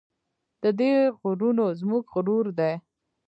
د دې غرونه زموږ غرور دی